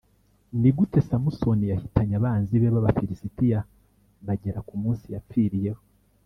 Ni gute samusoni yahitanye abanzi be b abafilisitiya bagera ku munsi yapfiriyeho